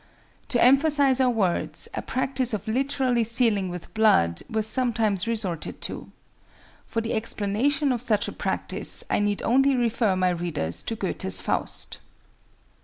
To emphasize our words a practice of literally sealing with blood was sometimes resorted to. For the explanation of such a practice, I need only refer my readers to Goethe's Faust.